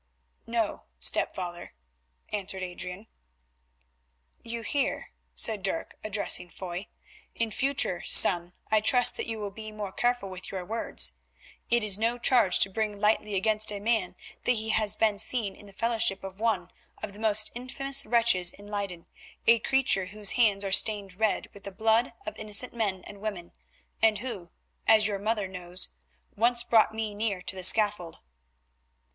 "No, stepfather," answered Adrian. "You hear," said Dirk addressing Foy. "In future, son, I trust that you will be more careful with your words. It is no charge to bring lightly against a man that he has been seen in the fellowship of one of the most infamous wretches in Leyden, a creature whose hands are stained red with the blood of innocent men and women, and who, as your mother knows, once brought me near to the scaffold."